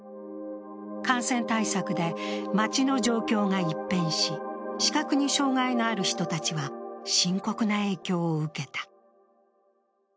感染対策で街の状況が一変し、視覚に障害のある人たちは深刻な影響を受けた。